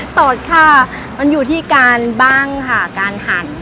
สดค่ะมันอยู่ที่การบ้างค่ะการหั่น